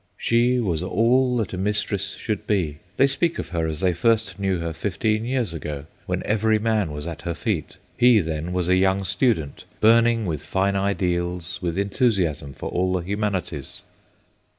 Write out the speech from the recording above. She was all that a mistress should be. They speak of her as they first knew her fifteen years ago, when every man was at her feet. He then was a young student, burning with fine ideals, with enthusiasm for all the humanities.